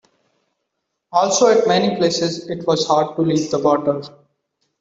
Also, at many places it was hard to leave the water.